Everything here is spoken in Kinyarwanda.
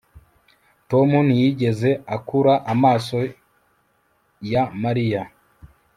Tom ntiyigeze akura amaso ya Mariya